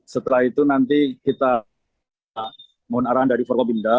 setelah itu nanti kita mohon arahan dari forkopimda